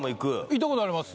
行ったことあります